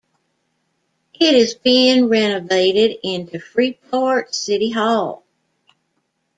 It is being renovated into Freeport's City Hall.